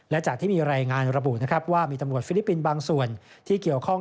และจากที่มีรายงานระบุนะครับว่ามีตำรวจฟิลิปปินส์บางส่วนที่เกี่ยวข้อง